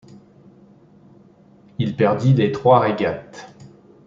Il perdit les trois régates.